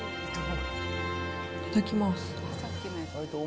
いただきます。